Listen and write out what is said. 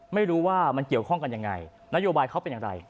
ไม่รู้ว่ามันเกี่ยวข้องกันยังไงนโยบายเขาเป็นอย่างไร